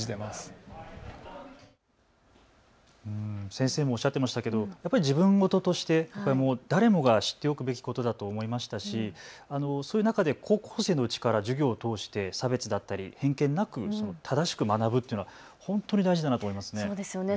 先生もおっしゃってましたけどやっぱり自分事として誰もが知っておくべきことだと思いましたし、そういう中で高校生のうちから授業を通して差別だったり偏見なく正しく学ぶっていうのは本当に大事だなと思いましたね。